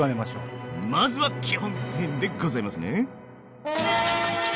まずは基本編でございますね。